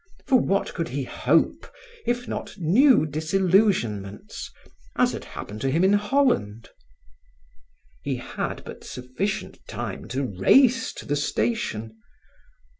For what could he hope, if not new disillusionments, as had happened to him in Holland? He had but sufficient time to race to the station.